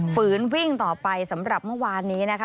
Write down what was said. ฝืนวิ่งต่อไปสำหรับเมื่อวานนี้นะคะ